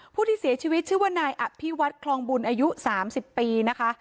ผู้ที่เสียชีวิตชื่อว่านายอภิวัฒน์คลองบุญอายุ๓๐ปีนะคะ